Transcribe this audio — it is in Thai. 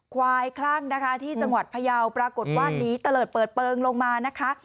ควายคล่างที่จังหวัดพยาวปรากฏว่านี้เตลอดเปิดเปลิงลงมานะคะ